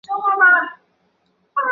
桐园草堂琴谱中国古琴谱。